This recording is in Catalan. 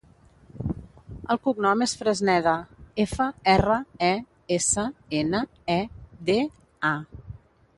El cognom és Fresneda: efa, erra, e, essa, ena, e, de, a.